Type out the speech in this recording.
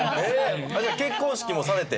じゃあ結婚式もされて？